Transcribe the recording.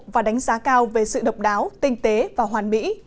và đánh giá cao về sự độc đáo tinh tế và hoàn mỹ